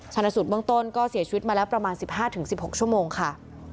ธนสูตรเมืองต้นก็เสียชีวิตมาแล้วประมาณสิบห้าถึงสิบหกชั่วโมงค่ะ